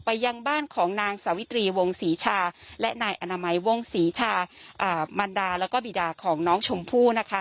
ยังบ้านของนางสาวิตรีวงศรีชาและนายอนามัยวงศรีชามันดาแล้วก็บีดาของน้องชมพู่นะคะ